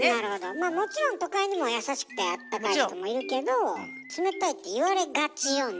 まあもちろん都会にも優しくてあったかい人もいるけど冷たいっていわれがちよね。